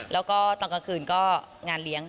แล้วก็ตอนกลางคืนก็งานเลี้ยง